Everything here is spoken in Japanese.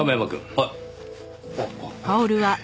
はい。